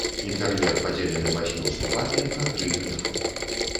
Інтэр'ер падзелены васьмю слупамі на тры нефы.